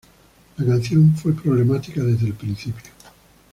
La canción fue problemática desde el principio.